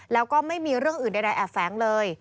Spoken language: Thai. แล้วก็ไม่มีเรื่องอื่นใดแอบแฝงเลย